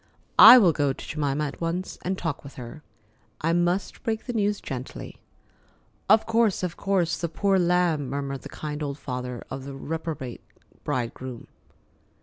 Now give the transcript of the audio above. I will go to Jemima at once and talk with her. I must break the news gently——" "Of course, of course—the poor lamb!" murmured the kind old father of the reprobate bridegroom.